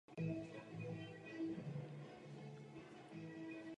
V řeči při jeho pohřbu vylíčil studentský život té doby.